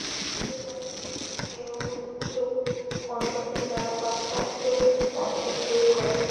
সিদ্ধিলাভের নিমিত্ত কেহ পুণ্যরূপ কণ্টকের দ্বারা পাপরূপ কণ্টক দূর করেন।